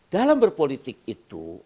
dalam berpolitik itu